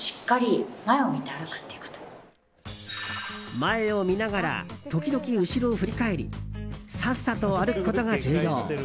前を見ながら時々、後ろを振り返りさっさと歩くことが重要。